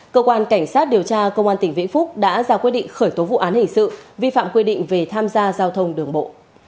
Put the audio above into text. cơ quan cảnh sát điều tra công an tỉnh vĩnh phúc đã ra quyết định khởi tố vụ án hình sự vi phạm quy định về tham gia giao thông đường bộ